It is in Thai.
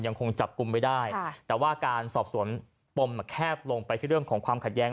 ยังคงจับกลุ่มไม่ได้แต่ว่าการสอบสวนปมแคบลงไปที่เรื่องของความขัดแย้ง